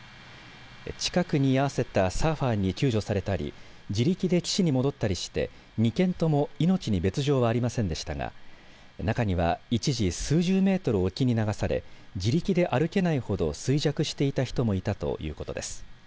近くに居合わせたサーファーに救助されたり自力で岸に戻ったりして２件とも命に別状はありませんでしたが中には一時数十メートル沖に流され自力で歩けないほど衰弱していた人もいたということです。